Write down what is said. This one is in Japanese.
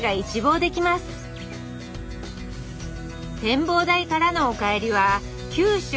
展望台からのお帰りは九州